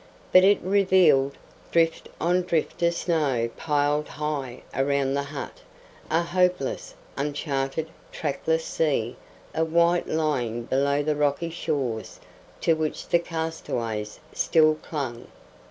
But it revealed drift on drift of snow piled high around the hut a hopeless, uncharted, trackless sea of white lying below the rocky shores to which the castaways still clung.